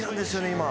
今。